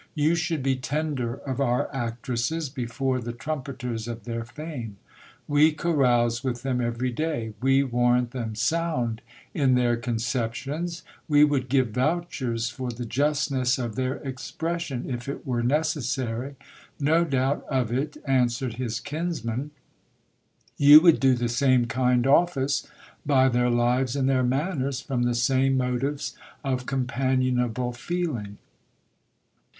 You should be tender of our actresses before the trumpeters of their fame. We carouse with them every day, we warrant them sound in their con ceptions : we would give vouchers for the justness of their expression if it were necessary. No doubt of it, answered his kinsman, you would do the same kind office by their lives and their manners, from the same motives of companionable feeling.